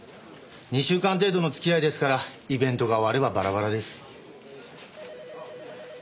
２週間程度の付き合いですからイベントが終わればバラバラです。